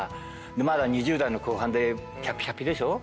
まだ２０代の後半でキャピキャピでしょ。